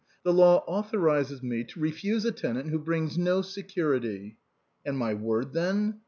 The law authorizes me to refuse a tenant who brings no security." " And my word, then